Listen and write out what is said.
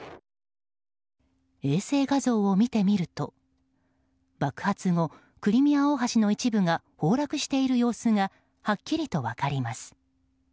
衛星画像を見てみると爆発後、クリミア大橋の一部が崩落している様子がはっきりと分かります。